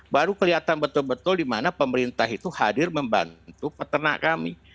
baru kelihatan betul betul di mana pemerintah itu hadir membantu peternak kami